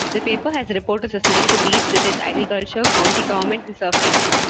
The paper has reporters assigned to beats such as agriculture, county government and surfing.